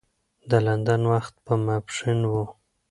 د لندن وخت په ماپښین و.